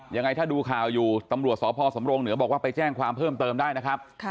ยังไงถ้าดูข่าวอยู่ตำรวจสพสำรงเหนือบอกว่าไปแจ้งความเพิ่มเติมได้นะครับ